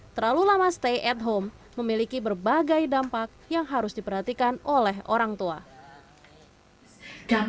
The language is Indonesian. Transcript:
terlalu lama stay at home memiliki berbagai dampak yang harus diperhatikan oleh orang tua